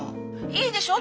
いいでしょ